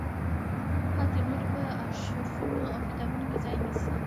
پاتې نورې به په ارشیفونو او کتابونو کې ځای ونیسي.